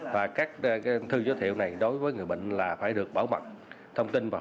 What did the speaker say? tại các bệnh viện quy trình hỗ trợ người bệnh nhân gặp khó khăn